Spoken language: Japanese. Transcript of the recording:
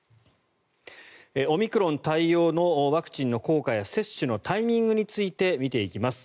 オミクロン対応のワクチンの効果や接種のタイミングについて見ていきます。